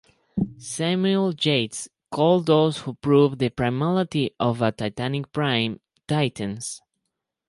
Samuel Yates called those who proved the primality of a titanic prime "titans".